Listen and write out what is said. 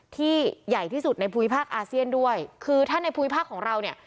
ที่ใหญ่ที่สุดในภูมิภาคอาเซียนด้วยคือถ้าในภูมิภาคของเราเนี่ย